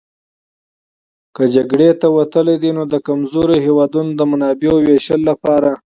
که جګړې ته وتلي دي نو د کمزورو هېوادونو د منابعو وېشلو لپاره.